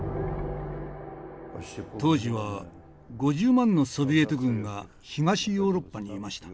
当時は５０万のソビエト軍が東ヨーロッパにいました。